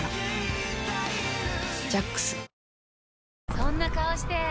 そんな顔して！